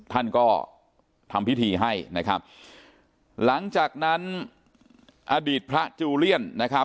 ท่านก็ทำพิธีให้หลังจากนั้นอดีตพระจูเลี่ยน